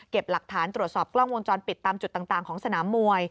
หลักฐานตรวจสอบกล้องวงจรปิดตามจุดต่างของสนามมวย